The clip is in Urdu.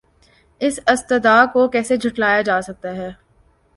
اس استدعاکو کیسے جھٹلایا جاسکتاہے؟